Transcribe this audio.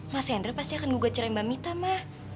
mas hendra pasti akan gugat cerai mbak mita mah